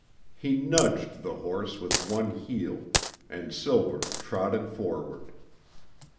He nudged the horse with one heel, and Silver trotted forward.